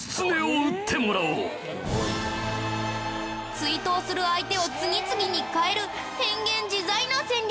追討する相手を次々に変える変幻自在な戦略。